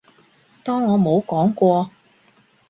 當我冇講過